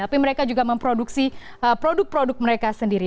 tapi mereka juga memproduksi produk produk mereka sendiri